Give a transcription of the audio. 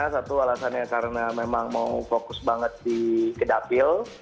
satu alasannya karena memang mau fokus banget ke dapil